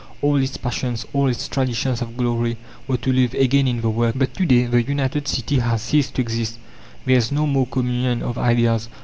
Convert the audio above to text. All its passions, all its traditions of glory, were to live again in the work. But to day the united city has ceased to exist; there is no more communion of ideas.